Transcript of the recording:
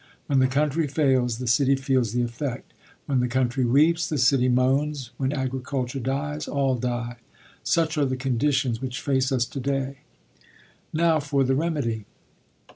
When the country fails, the city feels the effect; when the country weeps, the city moans; when agriculture dies, all die. Such are the conditions which face us today. Now for the remedy.